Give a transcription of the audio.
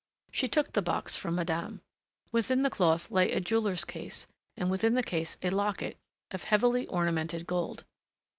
She took the box from madame. Within the cloth lay a jeweler's case and within the case a locket of heavily ornamented gold.